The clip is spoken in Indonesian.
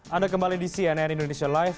anda kembali di cnn indonesia live